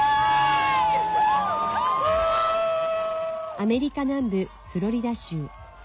アメリカ南部フロリダ州。